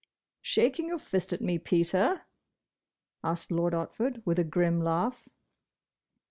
"Shaking your fist at me, Peter?" asked Lord Otford, with a grim laugh.